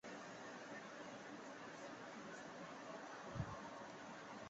তাদের উত্তরে সিথীয়, পশ্চিমে কেল্টীয় ও ইলিরীয়, দক্ষিণে প্রাচীন গ্রিক এবং পূর্ব কৃষ্ণ সাগর অবস্থিত ছিল।